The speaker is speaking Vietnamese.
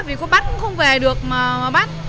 vì có bắt cũng không về được mà bắt